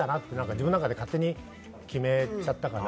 自分の中で勝手に決めちゃったかな。